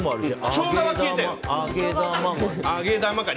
ショウガは消えた。